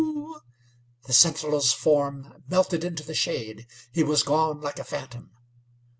The sentinel's form melted into the shade. He was gone like a phantom.